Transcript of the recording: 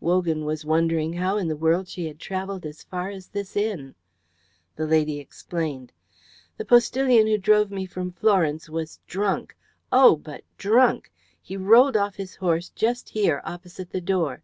Wogan was wondering how in the world she had travelled as far as this inn. The lady explained. "The postillion who drove me from Florence was drunk oh, but drunk! He rolled off his horse just here, opposite the door.